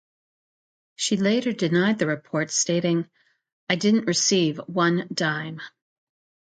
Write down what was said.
She later denied the report, stating: "I didn't receive one dime".